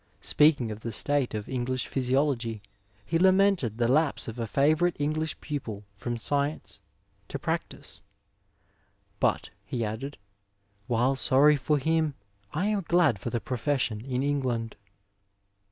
Speaking of the state of English physiology, he lamented the lapse of a &vourite English pupil from science to prac tice ; but, he added, " while sorry for him, I am glad for the profession in England."